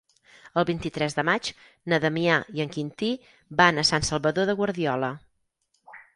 El vint-i-tres de maig na Damià i en Quintí van a Sant Salvador de Guardiola.